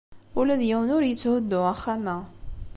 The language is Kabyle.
Ula d yiwen ur yetthuddu axxam-a.